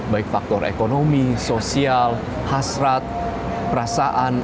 baik faktor ekonomi sosial hasrat perasaan